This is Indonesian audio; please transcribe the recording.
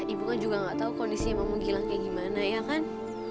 ibu kan juga nggak tahu kondisi emang gilang kayak gimana ya kan